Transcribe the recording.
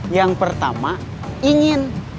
yang pertama ingin